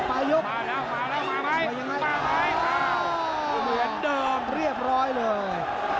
มาแล้วมาแล้วมาไหมอ๋อเรียบร้อยเลย